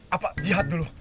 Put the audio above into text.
apa jihad dulu